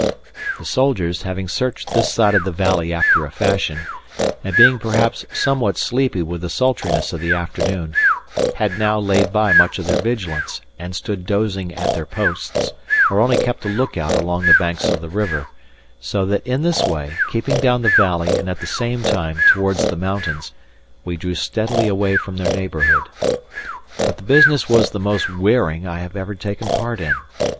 The soldiers, having searched this side of the valley after a fashion, and being perhaps somewhat sleepy with the sultriness of the afternoon, had now laid by much of their vigilance, and stood dozing at their posts or only kept a look out along the banks of the river; so that in this way, keeping down the valley and at the same time towards the mountains, we drew steadily away from their neighbourhood. But the business was the most wearing I had ever taken part in.